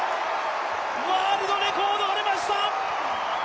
ワールドレコードが出ました！